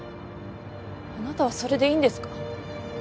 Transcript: あなたはそれでいいんですか？